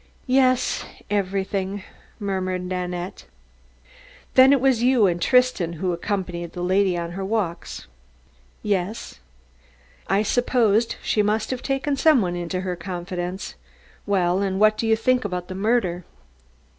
"Yes, everything," murmured Nanette. "Then it was you and Tristan who accompanied the lady on her walks?" "Yes." "I supposed she must have taken some one into her confidence. Well, and what do you think about the murder?"